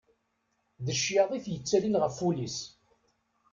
D ccyaḍ i d-yettalin ɣef wul-is.